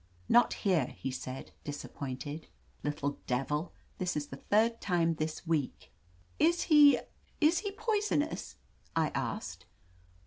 "Not here/* he said, disappointed. "Little devil, this is the third time this week!" Is he — is he poisonous?" I asked.